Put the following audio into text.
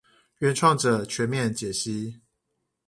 原創者全面解析